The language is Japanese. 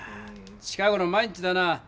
近ごろ毎日だな。